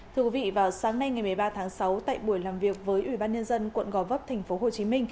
thưa quý vị vào sáng nay ngày một mươi ba tháng sáu tại buổi làm việc với ủy ban nhân dân quận gò vấp tp hcm